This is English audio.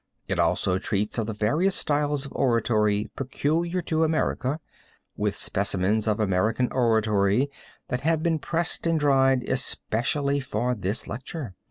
It also treats of the various styles of oratory peculiar to America, with specimens of American oratory that have been pressed and dried especially for this lecture.